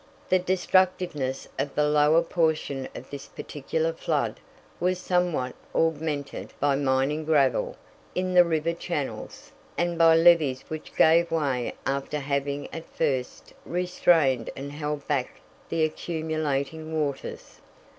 The destructiveness of the lower portion of this particular flood was somewhat augmented by mining gravel in the river channels, and by levees which gave way after having at first restrained and held back the accumulating waters.